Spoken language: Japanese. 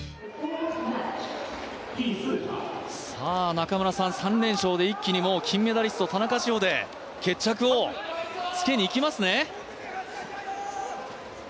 中村さん、３連勝で、一気に、金メダリスト田中志歩で決着をつけにいきますね。